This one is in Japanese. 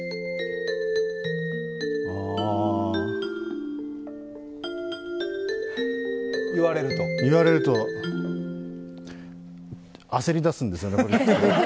ああ、言われると焦りだすんですよね、これ。